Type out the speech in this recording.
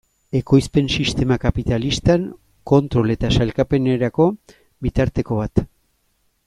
Ekoizpen sistema kapitalistan, kontrol eta sailkapenerako bitarteko bat.